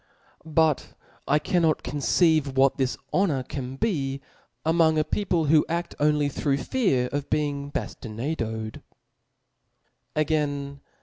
But I cannot conceive what this honor can be among a people, who aft only through fear of be ing baftinaded *. Again